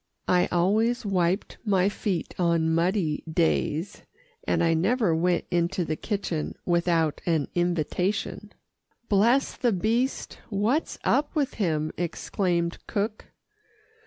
I always wiped my feet on muddy days, and I never went into the kitchen without an invitation. "Bless the beast what's up with him?" exclaimed cook.